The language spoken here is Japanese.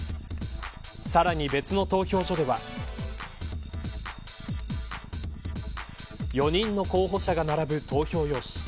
さらに別の投票所では４人の候補者が並ぶ投票用紙。